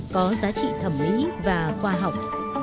có giá trị thẩm mỹ và khoa học